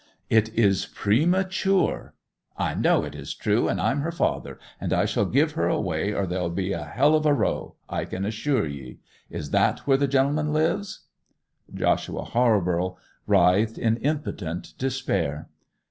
'It is premature—' 'I know it is true; and I'm her father, and I shall give her away, or there'll be a hell of a row, I can assure ye! Is that where the gennleman lives?' Joshua Halborough writhed in impotent despair.